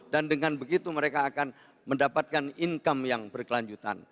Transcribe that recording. dan dengan begitu mereka akan mendapatkan income yang berkelanjutan